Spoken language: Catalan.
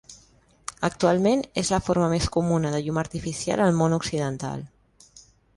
Actualment és la forma més comuna de llum artificial al món occidental.